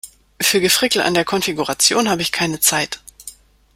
Für Gefrickel an der Konfiguration habe ich keine Zeit.